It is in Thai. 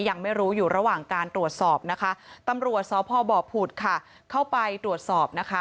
ยังไม่รู้อยู่ระหว่างการตรวจสอบนะคะตำรวจสพบผุดค่ะเข้าไปตรวจสอบนะคะ